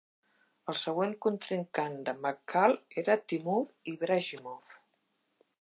El següent contrincant de McCall era Timur Ibragimov.